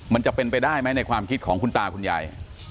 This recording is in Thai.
มันจะเป็นไปได้ไหมในความคิดของคุณตาคุณยาย